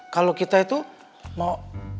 kalau kita itu mau